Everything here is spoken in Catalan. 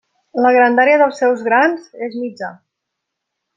La grandària dels seus grans és mitjà.